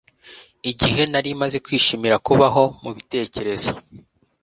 igihe nari maze kwishimira kubaho, mubitekerezo